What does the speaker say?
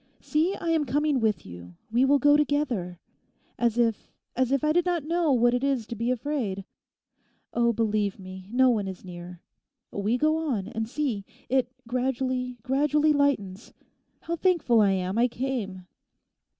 See, I am coming with you; we will go together. As if, as if I did not know what it is to be afraid. Oh, believe me; no one is near; we go on; and see! it gradually, gradually lightens. How thankful I am I came.